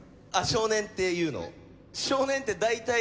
少年っていうのを？